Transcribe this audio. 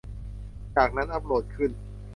จากนั้นอัปโหลดขึ้น